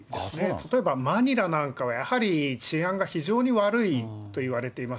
例えばマニラなんかは、やはり、治安が非常に悪いといわれています。